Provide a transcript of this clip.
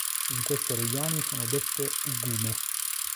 In queste regioni sono dette "ugume".